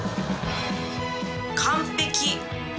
完璧。